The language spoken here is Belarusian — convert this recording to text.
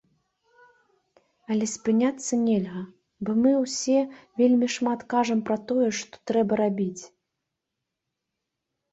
Але спыняцца нельга, бо мы ўсе вельмі шмат кажам пра тое, што трэба рабіць.